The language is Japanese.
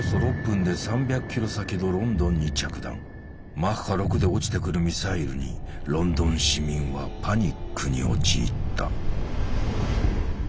マッハ６で落ちてくるミサイルにロンドン市民はパニックに陥った。